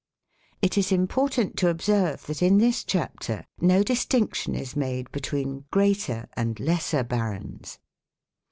It is important to observe that in this chapter no distinction is made between "greater" and "lesser" barons.